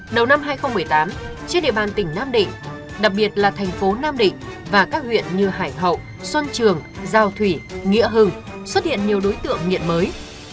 đầu năm hai nghìn một mươi tám trên địa bàn tỉnh nam định đặc biệt là thành phố nam định và các huyện như hải hậu xuân trường giao thủy nghĩa hưng xuất hiện nhiều đối tượng nghiện mới